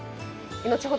後ほど